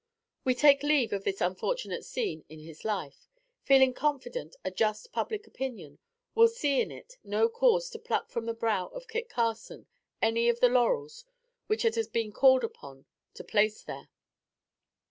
We take leave of this unfortunate scene in his life, feeling confident a just public opinion will see in it no cause to pluck from the brow of Kit Carson any of the laurels which it has been called upon to place there.